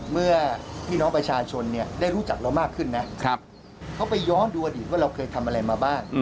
เมื่อพี่น้องประชาชนได้รู้จักเรามากขึ้นนะเขาไปย้อนดูอดีตว่าเราเคยทำอะไรมาบ้าง